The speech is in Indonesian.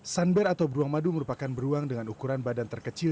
sunber atau beruang madu merupakan beruang dengan ukuran badan terkecil